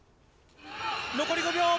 残り５秒。